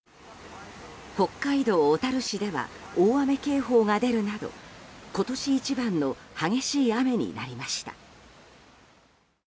北海道小樽市では大雨警報が出るなど今年一番の激しい雨になりました。